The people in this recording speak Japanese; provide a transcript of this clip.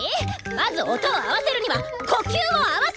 まず音を合わせるには呼吸を合わせる！